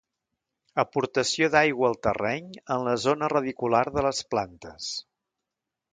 Aportació d'aigua al terreny en la zona radicular de les plantes.